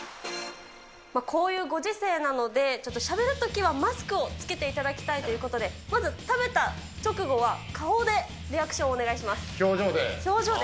こういうご時世なので、ちょっとしゃべるときはマスクを着けていただきたいということで、まず、食べた直後は、顔でリアクション表情で？